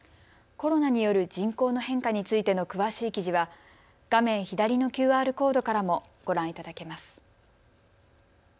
コロナによる人口の変化についての詳しい記事は画面左のＱＲコードからもご覧いただけます。